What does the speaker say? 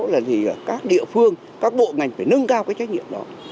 là các địa phương các bộ ngành phải nâng cao cái trách nhiệm đó